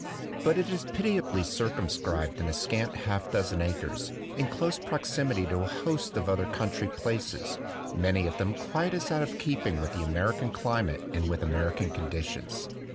But it is pitiably circum scribed in a scant half dozen acres, in close proximity to a host of other country places, many of them quite as out of keeping with the American climate and with American condi tions.